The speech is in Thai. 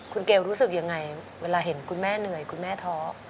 คุณเกลรู้สึกยังไงเวลาเห็นคุณแม่เหนื่อยคุณแม่ท้อ